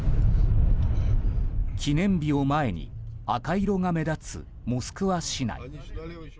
記念日を前に赤色が目立つモスクワ市内。